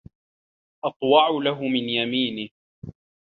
أطوع له من يمينه